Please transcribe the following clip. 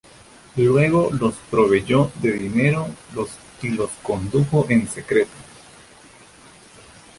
Luego los proveyó de dinero y los condujo en secreto.